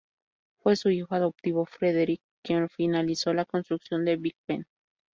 Fue su hijo adoptivo Frederick quien finalizó la construcción del Big Ben.